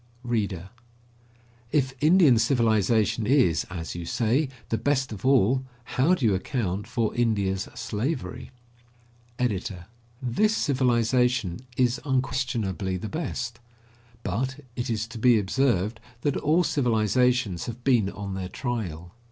READER: If Indian civilization is, as you say, the best of all, how do you account for India's slavery? EDITOR: This civilization is unquestionably the best; but it is to be observed that all civilizations have been on their trial.